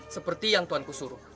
seperti yang tuhanku suruh